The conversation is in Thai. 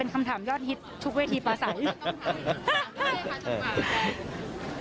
เป็นคำถามยอดฮิตทุกเวทีประสาหรณ์